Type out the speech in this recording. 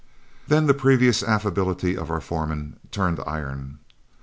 Then the previous affability of our foreman turned to iron.